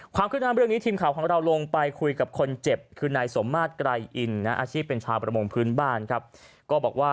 ความขึ้นด้านเรื่องนี้ทีมข่าวของเราลงไปคุยกับคนเจ็บคือนายสมมาตย์กรายอินอาชีพเป็นชาวประมงพื้นบ้านครับ